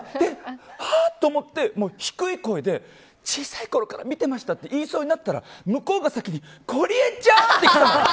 あ！っと思って低い声で小さいころから見てましたって言いそうになったら向こうが先にゴリエちゃん！って来たの。